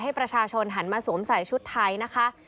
ให้ประชาชนหันมาสวมใส่ชุดไทยนะคะ